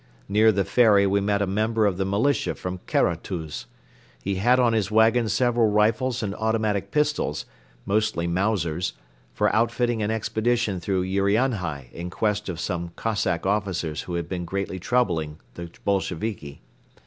Near the ferry we met a member of the militia from Karatuz. He had on his wagon several rifles and automatic pistols, mostly Mausers, for outfitting an expedition through Urianhai in quest of some Cossack officers who had been greatly troubling the Bolsheviki.